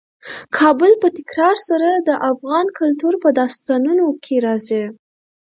کابل په تکرار سره د افغان کلتور په داستانونو کې راځي.